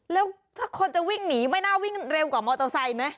แล้วถ้าคนจะวิ่งหนีไม่น่าวิ่งเร็วกว่ามอเตอร์ไซค์ไหม